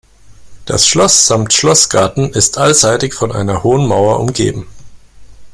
Das Schloss samt Schlossgarten ist allseitig von einer hohen Mauer umgeben.